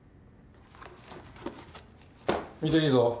見ていいぞ。